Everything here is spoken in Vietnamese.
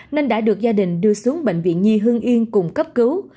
nên đã được gia đình đưa xuống bệnh viện nhi hương yên cùng cấp cứu